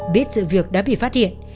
biết sự việc đã bị phát hiện